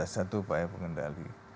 satu upaya pengendali